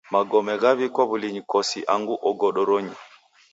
Magome ghaw'ikwa w'ulinyi kosi angu ogodoronyi.